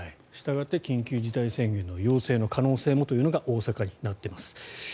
したがって緊急事態宣言の要請の可能性もというのが大阪になっています。